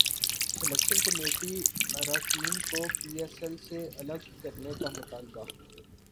selection committee اراکین کو P S L سے الگ کرنے کا مطالبہ